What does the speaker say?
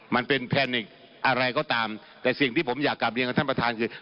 มันเป็นแพนิกอะไรก็ตามแต่สิ่งที่ผมอยากกลับเรียนกับท่านประธานคือ